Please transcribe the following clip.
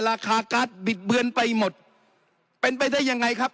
ราคาการ์ดบิดเบือนไปหมดเป็นไปได้ยังไงครับ